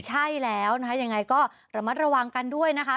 ใช่แล้วนะคะยังไงก็ระมัดระวังกันด้วยนะคะ